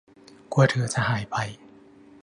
กลัวเธอจะหายไป